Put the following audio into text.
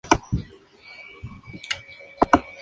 Organizó la Lotería de Nariño Dec.